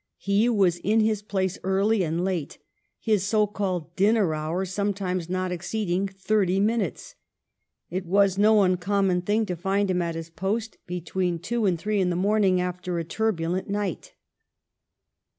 He was in his place early and late, his so called 'dinner hour' sometimes not ex ceeding thirty minutes. It was no uncommon thing to find him at his post between two and WAR WITH THE BOKKS — FRANCHISE BILL 355 three in the morning after a turbulent night."